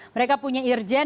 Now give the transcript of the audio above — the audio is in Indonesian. mereka punya irjn